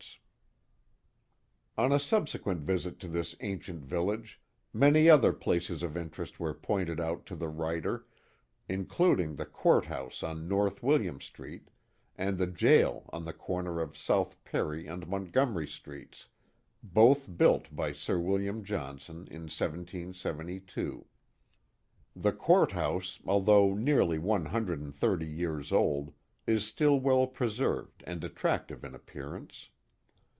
206 The Mohawk Valley On a subsequent visit to this ancient village, many other places of interest were pointed out to the writer, including the court house on North William Street, and the jail on the corner of South Perry and Montgomery Streets, both built by Sir William Johnson in 1772. The court house, although nearly one hundred and thirty years old, is still well preserved and attractive in appearance.